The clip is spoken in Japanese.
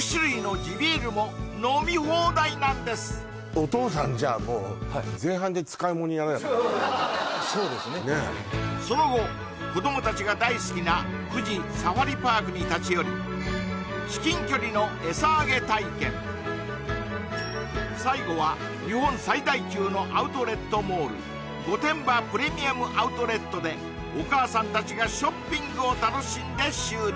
お父さんじゃあもう前半で使い物にならなくなるねもうねそうですねねえその後子ども達が大好きな富士サファリパークに立ち寄り至近距離の最後は日本最大級のアウトレットモール御殿場プレミアム・アウトレットでお母さん達がショッピングを楽しんで終了